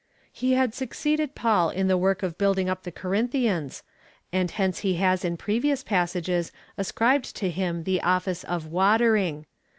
He had succeeded Paul in the work of building up the Corinthians ; and hence he has in previous passages ascribed to him the office of water ing.